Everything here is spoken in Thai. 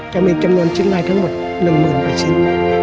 จะมีจำนวนชิ้นในทั้งหมด๑๐๐๐กว่าชิ้น